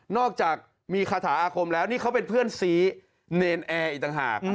อกจากมีคาถาอาคมแล้วนี่เขาเป็นเพื่อนซีเนรนแอร์อีกต่างหาก